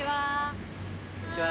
こんにちは。